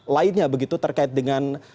lainnya begitu terkait dengan